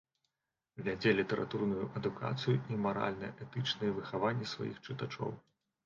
Вядзе літаратурную адукацыю і маральна-этычнае выхаванне сваіх чытачоў.